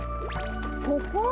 ここ？